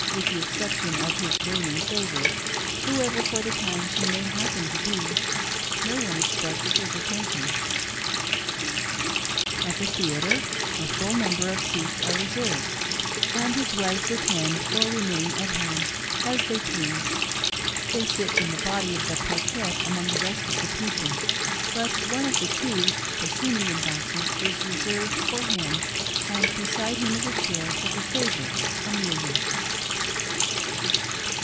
With the e;cception of his reigning favorite, whoever for the time she may happen to be, no one expects his attentions. At the theatre a full number of seats are reserved, and his wives 294 BOYISHNESS OF THE PROPHET. attend, or remain at home, as they please. They sit in the body of the parquette, among the rest of the people ; but on^ of the two proscenium boxes is reserved for him, and beside him is a chair for the favorite Amelia.